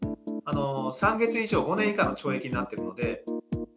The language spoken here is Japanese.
３か月以上５年以下の懲役になっているので。